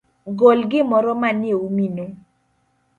Gol gimoro manieumino.